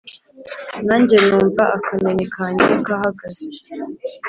Nange numva akanyoni kange kahagaze